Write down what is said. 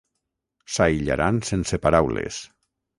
S'aïllaran sense paraules.